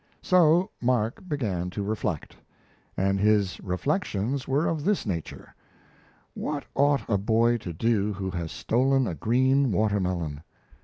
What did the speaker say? So Mark began to reflect. And his reflections were of this nature: What ought a boy to do who has stolen a green water melon?